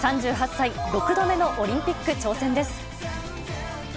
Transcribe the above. ３８歳、６度目のオリンピック挑戦です。